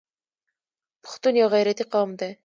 پښتون یو غیرتي قوم دی.